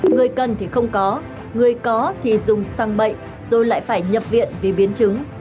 người cần thì không có người có thì dùng xăng bệnh rồi lại phải nhập viện vì biến chứng